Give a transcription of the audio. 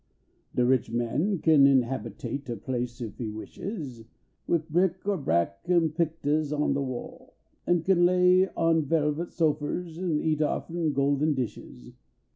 i)e rich man can inhabitate a palace ei he wishes, \Vifbrick er brack and picluahs on de wall ; An kin lay on velvet sofers an eat ofFn golden dishes.